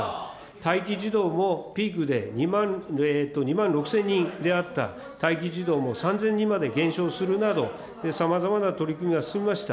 待機児童もピークで２万６０００人であった待機児童も３０００人まで減少するなど、さまざまな取り組みが進みました。